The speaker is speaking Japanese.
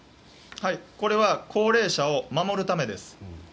これは高齢者を守るためです。